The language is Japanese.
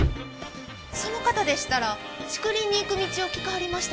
その方でしたら竹林に行く道を聞かはりましたけど。